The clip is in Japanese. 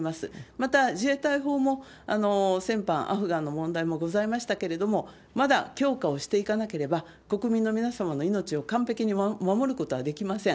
また、自衛隊法も先般、アフガンの問題もございましたけれども、まだ強化をしていかなければ、国民の皆様の命を完璧に守ることはできません。